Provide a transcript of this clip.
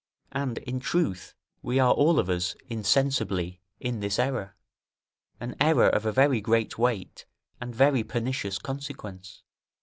And, in truth, we are all of us, insensibly, in this error, an error of a very great weight and very pernicious consequence.